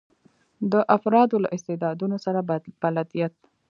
د افرادو له استعدادونو سره بلدیت.